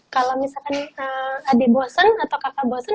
kalau misalkan adik bosan atau kakak bosan